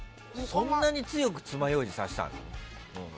そんなに強くつまようじ刺したの？